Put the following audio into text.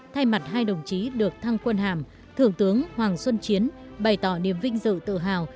thay mặt hai đồng chí được thăng quân hàm thượng tướng hoàng xuân chiến bày tỏ niềm vinh dự tự hào